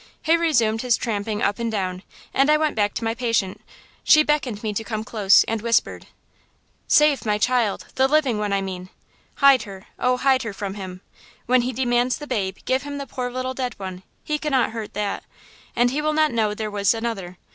"He resumed his tramping up and down, and I went back to my patient. She beckoned me to come close, and whispered: "'Save my child! The living one, I mean! Hide her! oh, hide her from him! When he demands the babe, give him the poor little dead one–he cannot hurt that! And he will not know there was another.